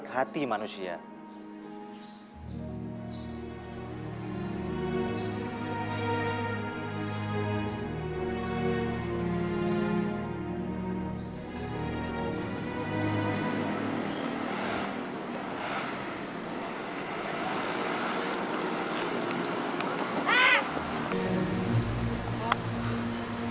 maha pengasih maha penyayang maha perkasa termasuk dalam hal membola kaki